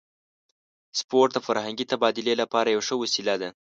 سپورت د فرهنګي تبادلې لپاره یوه ښه وسیله ده.